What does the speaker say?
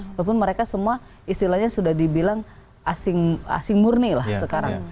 walaupun mereka semua istilahnya sudah dibilang asing murni lah sekarang